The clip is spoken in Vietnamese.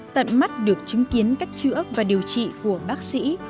tận mắt được chứng kiến cách chữa và điều trị của bác sĩ